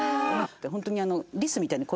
ホントに。